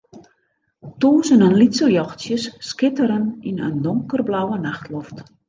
Tûzenen lytse ljochtsjes skitteren yn in donkerblauwe nachtloft.